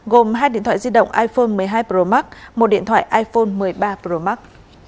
gồm hai điện thoại di động iphone một mươi hai pro max một điện thoại iphone một mươi ba pro max